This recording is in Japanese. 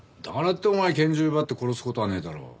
だからってお前拳銃奪って殺す事はねえだろ。